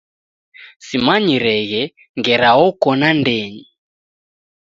Simanyireghe ngera oko nandenyi